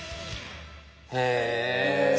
へえ。